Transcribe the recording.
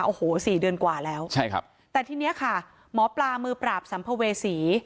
โอ้โหสี่เดือนกว่าแล้วใช่ครับแต่ทีเนี้ยค่ะหมอปลามือปราบสัมภเวษี